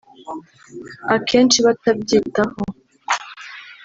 akenshi batabyitaho